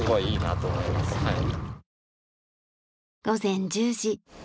午前１０時。